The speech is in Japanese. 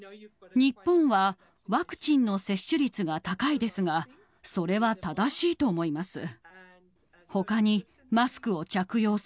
日本は、ワクチンの接種率が高いですが、それは正しいと思います。